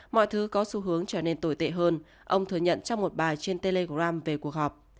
mọi thứ có xu hướng trở nên tồi tệ hơn ông thừa nhận trong một bài trên telegram về cuộc họp